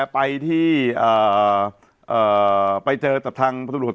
ปรากฏว่าจังหวัดที่ลงจากรถ